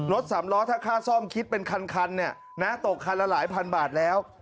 สามล้อถ้าค่าซ่อมคิดเป็นคันเนี่ยนะตกคันละหลายพันบาทแล้ว